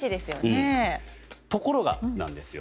ところがなんですよ。